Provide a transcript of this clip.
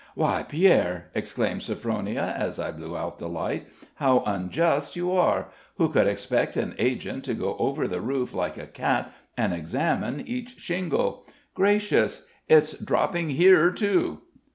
"Why, Pierre!" exclaimed Sophronia, as I blew out the light, "how unjust you are. Who could expect an agent to go over the roof like a cat, and examine each shingle? Gracious! it's dropping here, too!"